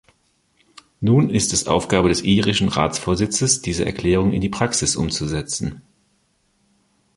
Nun ist es Aufgabe des irischen Ratsvorsitzes, diese Erklärung in die Praxis umzusetzen.